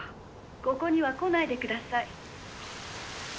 ここには来ないでください